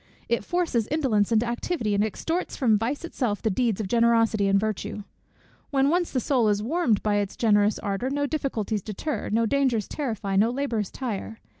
It forces indolence into activity, and extorts from vice itself the deeds of generosity and virtue. When once the soul is warmed by its generous ardor, no difficulties deter, no dangers terrify, no labours tire.